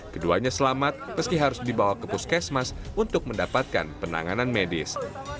keduanya selamat meski harus dibawa ke puskesmas untuk mendapatkan penanganan medis